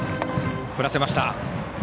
振らせました。